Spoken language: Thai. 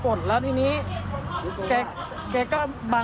สุดท้ายเฑียบพื้นครับ